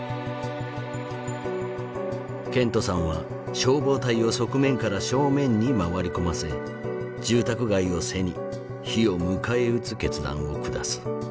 ケントさんは消防隊を側面から正面に回り込ませ住宅街を背に火を迎え撃つ決断を下す。